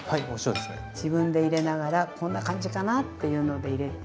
自分で入れながらこんな感じかなっていうので入れて。